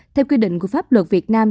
theo quy định của pháp luật việt nam